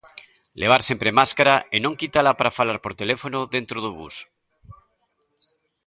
Levar sempre máscara, e non quitala para falar por teléfono dentro do bus.